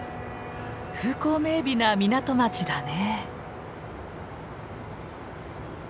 風光明美な港町だね。